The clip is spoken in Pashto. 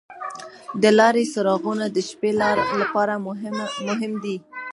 د لارې څراغونه د شپې لپاره مهم دي.